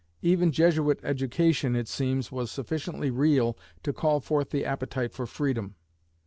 Even Jesuit education, it seems, was sufficiently real to call forth the appetite for freedom.